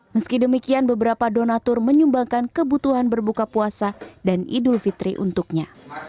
meski demikian beberapa donatur menyumbangkan kebutuhan berbuka puasa dan idul fitri untuknya